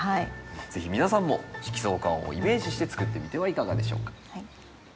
是非皆さんも色相環をイメージして作ってみてはいかがでしょうか。